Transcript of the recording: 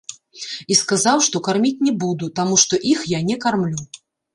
І сказаў, што карміць не буду, таму што іх я не кармлю.